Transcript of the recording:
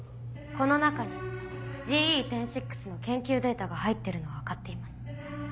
この中にＧＥ１０．６の研究データが入ってるのは分かっています。